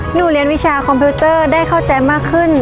เรียนวิชาคอมพิวเตอร์ได้เข้าใจมากขึ้น